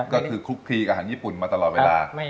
ก็คือคลุกคลีกับอาหารญี่ปุ่นมาตลอดเวลา